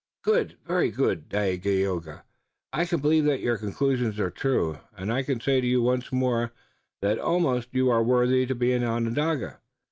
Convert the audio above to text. "Good! Very good, Dagaeoga! I can believe that your conclusions are true, and I can say to you once more that almost you are worthy to be an Onondaga.